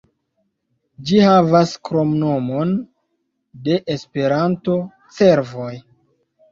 Ĝi havas kromnomon de Esperanto, "Cervoj".